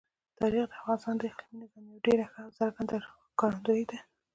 تاریخ د افغانستان د اقلیمي نظام یوه ډېره ښه او څرګنده ښکارندوی ده.